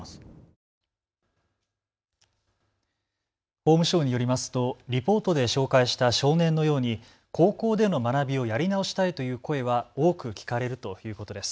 法務省によりますとリポートで紹介した少年のように高校での学びをやり直したいという声は多く聞かれるということです。